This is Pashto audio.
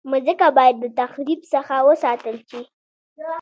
مځکه باید د تخریب څخه وساتل شي.